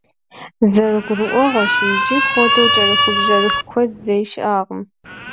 Зэрыгурыӏуэгъуэщи, иджы хуэдэу кӏэрыхубжьэрыху куэд зэи щыӏакъым.